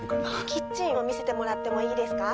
キッチンを見せてもらってもいいですか？